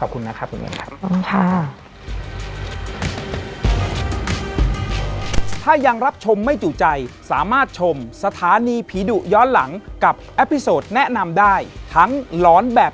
ขอบคุณนะครับคุณเงินครับ